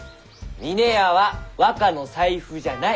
「峰屋は若の財布じゃない」。